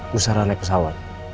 busara naik pesawat